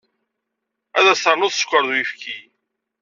Ad as-ternuḍ sskeṛ d uyefki?